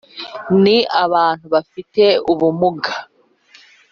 Ni Abantu bafite ubumuga